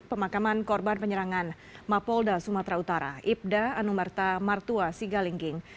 pemakaman korban penyerangan mapolda sumatera utara ibda anumerta martua sigalingging